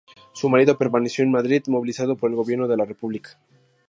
Su marido permaneció en Madrid, movilizado por el Gobierno de la República.